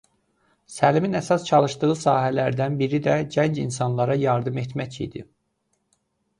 Səlimin əsas çalışdığı sahələrdən biri də gənc insanlara yardım etmək idi.